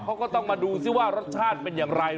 เขาก็ต้องมาดูซิว่ารสชาติเป็นอย่างไร